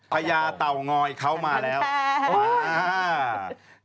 พญาเต้อง่อยเข้ามาแล้วคล้านแท้